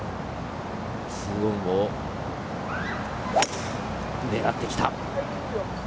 ２オンを狙ってきた。